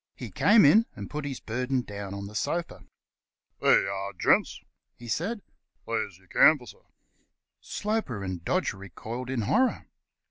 He came in and put his burden down on the sofa. "There you are, gents," he said; "there's your canvasser." Sloper and Dodge recoiled in horror.